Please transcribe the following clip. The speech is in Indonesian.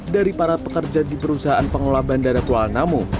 dari para pekerja di perusahaan pengelola bandara kuala namu